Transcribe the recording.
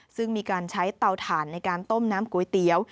ซึ่งมีการใช้เตาถ่านในการต้มน้ำก๋วยเตี๋ยว